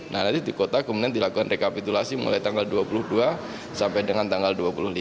nah nanti di kota kemudian dilakukan rekapitulasi mulai tanggal dua puluh dua sampai dengan tanggal dua puluh lima